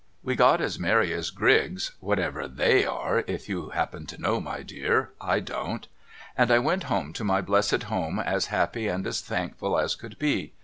We got as merry as grigs (what ever they are, if you happen to know my dear^ —/ don't) and I went home to my blessed home as happy and as thankful as could be.